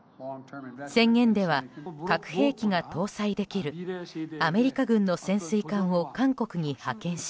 宣言では、核兵器が搭載できるアメリカ軍の潜水艦を韓国に派遣し